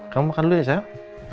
kamu makan dulu ya saya